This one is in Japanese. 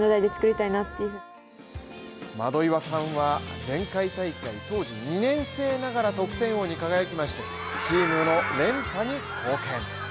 窓岩さんは、前回大会当時２年生ながら得点王に輝きましたチームの連覇に貢献。